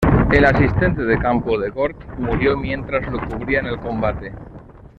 El asistente de campo de Gort murió mientras lo cubría en el combate.